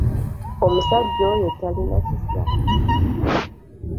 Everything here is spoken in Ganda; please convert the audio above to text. Omusajja oyo talina kisa!